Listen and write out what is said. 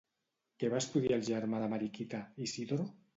Què va estudiar el germà de Mariquita, Isidro?